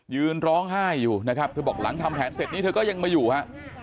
ยืนร้องไห้อยู่นะครับเธอบอกหลังทำแผนเสร็จนี้เธอก็ยังมาอยู่ฮะ